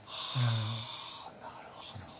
なるほど。